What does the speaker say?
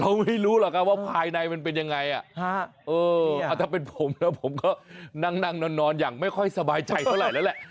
เราไม่รู้หรอกครับว่าภายในมันเป็นยังไงอ่ะฮะเอออาจจะเป็นผมแล้วผมก็นั่งนั่งนอนนอนอย่างไม่ค่อยสบายใจเท่าไหร่แล้วแหละ